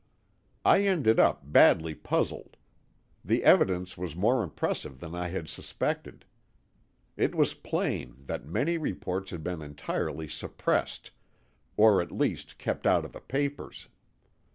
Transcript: I ended up badly puzzled. The evidence was more impressive than I had suspected. It was plain that many reports had been entirely suppressed, or at least kept out of the papers.